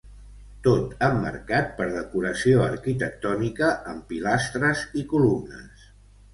Tot emmarcat per decoració arquitectònica amb pilastres i columnes.